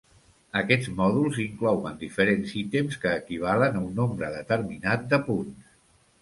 Aquests mòduls inclouen diferents ítems que equivalen a un nombre determinat de punts.